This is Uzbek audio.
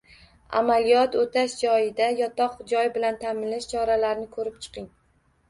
Amaliyot o'tash joyida yotoq joy bilan ta´minlash choralarini ko'rib chiqing.